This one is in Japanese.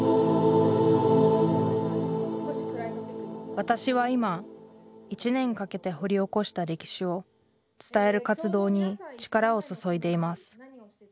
私は今１年かけて掘り起こした歴史を伝える活動に力を注いでいます。